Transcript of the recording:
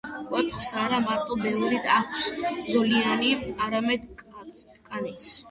ვეფხვს არა მარტო ბეწვი აქვს ზოლიანი, არამედ კანიც.